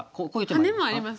ハネもあります。